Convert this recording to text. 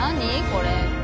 これ。